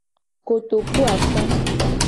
Kotokuato.